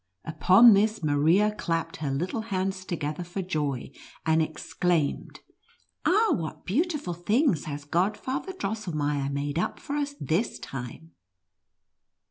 Upon this Maria clapped her little hands together for joy, and exclaimed, " Ah, what beautiful things has Godfather Drosselmeier made for us this time!"